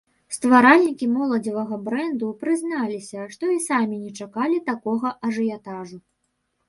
Стваральнікі моладзевага брэнду прызналіся, што і самі не чакалі такога ажыятажу.